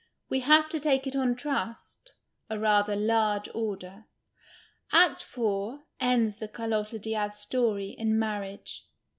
Wc have to take it on trust, a rather " large order." Aet IV. ends the Carlotta Diaz story in marriage.